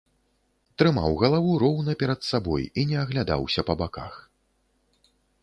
Трымаў галаву роўна перад сабой і не аглядаўся па баках.